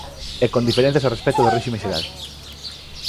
E con diferenzas a respecto do réxime xeral.